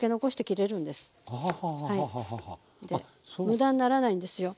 無駄にならないんですよ。